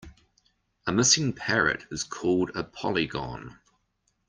A missing parrot is called a polygon.